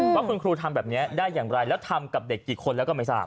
ว่าคุณครูทำแบบนี้ได้อย่างไรแล้วทำกับเด็กกี่คนแล้วก็ไม่ทราบ